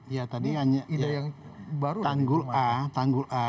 iya tadi hanya tanggul a